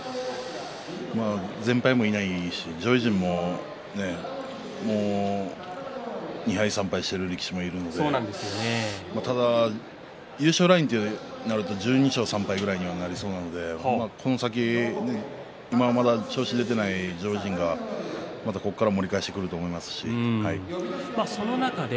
全敗もいないし上位陣も２敗、３敗している力士もいるので優勝のラインとなると１２勝３敗ぐらいにはなりそうなのでこの先、まだ調子が出ていない上位陣がここから盛り返してくると思いますので。